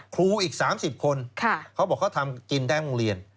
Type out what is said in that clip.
ครูอีก๓๐คนเขาบอกเขาทำกินได้โรงเรียน